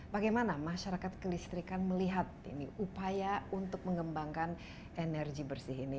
bagaimana masyarakat kelistrikan melihat ini upaya untuk mengembangkan energi bersih ini